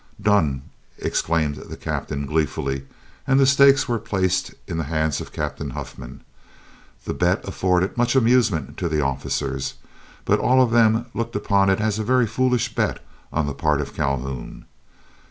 "Done!" exclaimed the Captain, gleefully, and the stakes were placed in the hands of Captain Huffman. The bet afforded much amusement to the officers, but all of them looked upon it as a very foolish bet on the part of Calhoun.